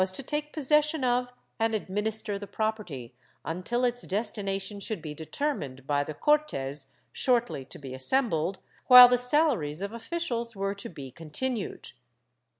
I] INQUISITj ON SUPPRESSED 437 take possession of and adniinister the property, until its destination should be determined i/ the Cortes shortly to be assembled, while the salaries of officials were to be continued.